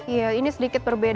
iya ini sedikit berbeda